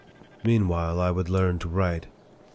Meanwhile, I would learn to write.